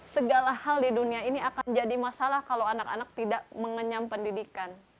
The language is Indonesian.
segala hal di dunia ini akan jadi masalah kalau anak anak tidak mengenyam pendidikan